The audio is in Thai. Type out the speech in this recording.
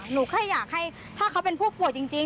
หนูแค่อยากให้ถ้าเขาเป็นผู้ป่วยจริง